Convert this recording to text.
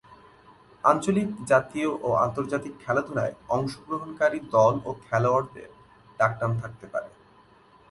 আঞ্চলিক, জাতীয় ও আন্তর্জাতিক খেলাধুলায় অংশগ্রহণকারী দল ও খেলোয়াড়দের ডাকনাম থাকতে পারে।